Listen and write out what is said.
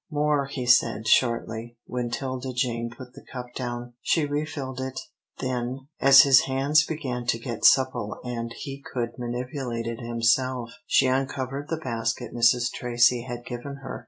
"More," he said, shortly, when 'Tilda Jane put the cup down. She refilled it, then, as his hands began to get supple and he could manipulate it himself, she uncovered the basket Mrs. Tracy had given her.